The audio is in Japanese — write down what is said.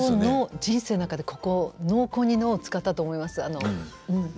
人生の中で濃厚に脳を使ったと思います。